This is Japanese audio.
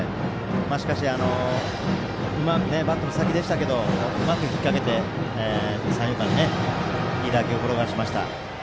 しかし、バットの先でしたがうまく引っ掛けて、三遊間にいい打球転がしました。